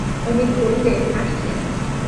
অমিত বললে, হাসছেন!